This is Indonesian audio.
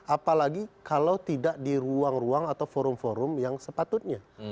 apalagi kalau tidak di ruang ruang atau forum forum yang sepatutnya